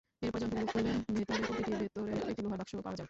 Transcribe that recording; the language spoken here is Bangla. এরপর যন্ত্রগুলো খুলে ভেতরে প্রতিটির ভেতরে একটি লোহার বাক্স পাওয়া যায়।